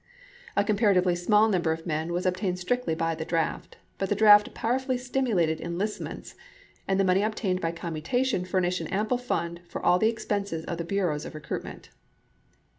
A comparatively small number of men was obtained strictly by the draft, but the draft powerfully stimulated enlistments, and the money obtained by commutation furnished an ample fund for all the expenses of the bureaus of recruitment.